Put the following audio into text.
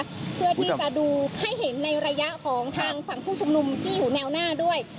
เพื่อที่จะดูให้เห็นในระยะของทางฝั่งผู้ชุมนุมที่อยู่แนวหน้าด้วย